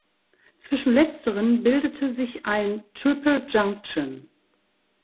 Zwischen letzteren bildete sich eine Triple Junction.